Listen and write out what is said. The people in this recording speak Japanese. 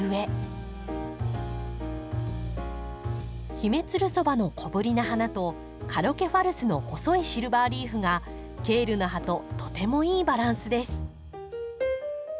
ヒメツルソバの小ぶりな花とカロケファルスの細いシルバーリーフがケールの葉ととてもいいバランスです。